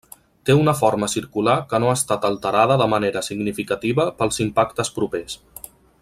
Té una forma circular que no ha estat alterada de manera significativa pels impactes propers.